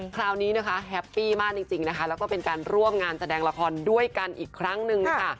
คราวนี้นะคะแฮปปี้มากจริงนะคะแล้วก็เป็นการร่วมงานแสดงละครด้วยกันอีกครั้งหนึ่งนะคะ